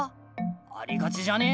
ありがちじゃね？